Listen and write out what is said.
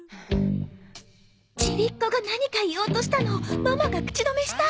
ちびっこが何か言おうとしたのをママが口止めした！